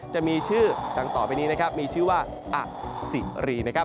จะมีชื่อดังต่อไปนี้นะครับมีชื่อว่าอสิรีนะครับ